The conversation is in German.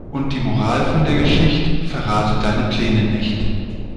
Und die Moral von der Geschicht': Verrate deine Pläne nicht.